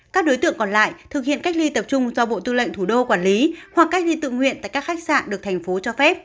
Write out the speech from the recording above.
các đối tượng còn lại thực hiện cách ly tập trung do bộ tư lệnh thủ đô quản lý hoặc cách ly tự nguyện tại các khách sạn được thành phố cho phép